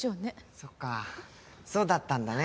そっかそうだったんだね。